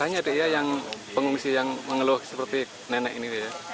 hanya ada yang pengungsian yang mengeluh seperti nenek ini